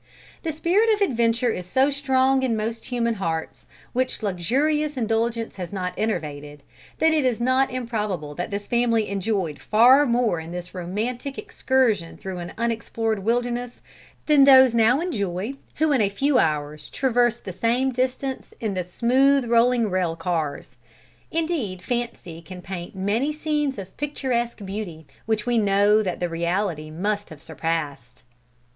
The spirit of adventure is so strong in most human hearts which luxurious indulgence has not enervated, that it is not improbable that this family enjoyed far more in this romantic excursion through an unexplored wilderness, than those now enjoy who in a few hours traverse the same distance in the smooth rolling rail cars. Indeed fancy can paint many scenes of picturesque beauty which we know that the reality must have surpassed.